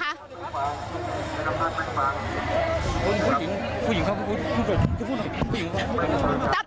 ตำรวจจะมีการเชิญตัวน้องขึ้นไปนะคะหรือว่าเป็นผู้หญิงคนแรกนะคะที่ตำรวจขึ้นไปนะคะ